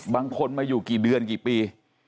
บางคนมาอยู่กี่เดือนกี่ปี